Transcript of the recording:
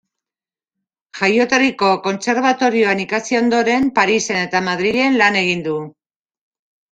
Jaioterriko Kontserbatorioan ikasi ondoren, Parisen eta Madrilen lan egin du.